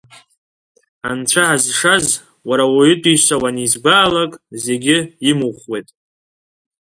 Анцәа ҳазшаз, уара ауаҩытәыҩса уанизгәаалакь, зегьы имухуеит.